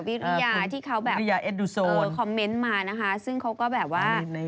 วิทยาที่เขาแบบเออคอมเมนต์มานะคะซึ่งเขาก็แบบว่า